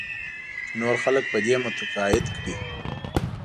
چې نور خلک په دې متقاعد کړې.